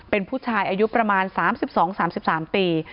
เป็นผู้ชายอายุประมาณสามสิบสองสามสิบสามปี